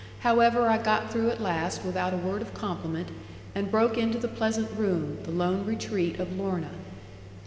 However, I got through at last without a word of compliment, and broke into the pleasant room, the lone retreat of Lorna.